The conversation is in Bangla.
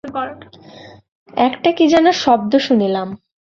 একটা কী যেন শব্দ শুনিলাম।